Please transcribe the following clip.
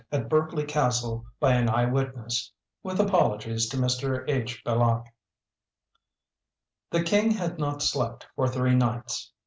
AT BERKELEY CASTLE BY AN EYE WITNESS (With apologies to Mr. H. Belloc) The King had not slept for three nights.